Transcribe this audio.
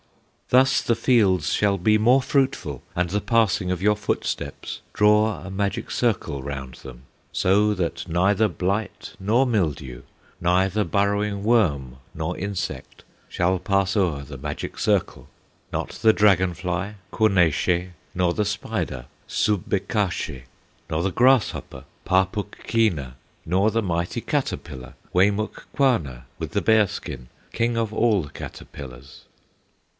"Thus the fields shall be more fruitful, And the passing of your footsteps Draw a magic circle round them, So that neither blight nor mildew, Neither burrowing worm nor insect, Shall pass o'er the magic circle; Not the dragon fly, Kwo ne she, Nor the spider, Subbekashe, Nor the grasshopper, Pah puk keena; Nor the mighty caterpillar, Way muk kwana, with the bear skin, King of all the caterpillars!"